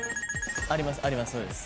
あります。